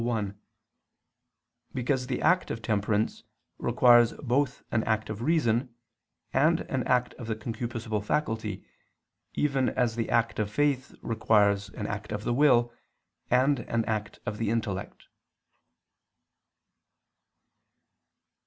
1), because the act of temperance requires both an act of reason, and an act of the concupiscible faculty, even as the act of faith requires an act of the will, and an act of the intellect.